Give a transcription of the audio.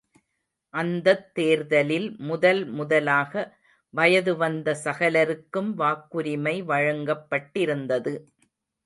அந்தத் தேர்தலில் முதல் முதலாக வயது வந்த சகலருக்கும் வாக்குரிமை வழங்கப்பட்டிருந்தது.